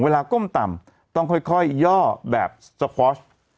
ก้มต่ำต้องค่อยย่อแบบสคอช